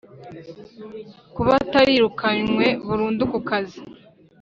kuba atarirukanwe burundu ku kazi